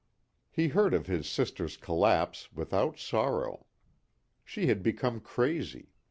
He heard of his sister's collapse without sorrow. She had become crazy.